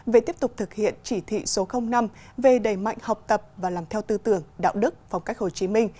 về tiếp tục thực hiện chỉ thị số năm về đầy mạnh học tập và làm theo tư tưởng đạo đức phong cách hồ chí minh